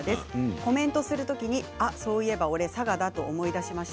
コメントする時にそういえば俺、佐賀だと思い出しました。